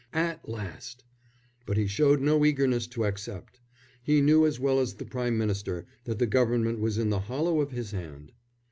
At last! But he showed no eagerness to accept. He knew as well as the Prime Minister that the Government was in the hollow of his hand.